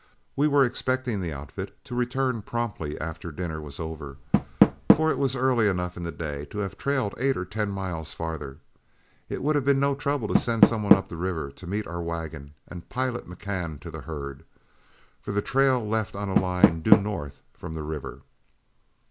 We were expecting the outfit to return promptly after dinner was over, for it was early enough in the day to have trailed eight or ten miles farther. It would have been no trouble to send some one up the river to meet our wagon and pilot McCann to the herd, for the trail left on a line due north from the river.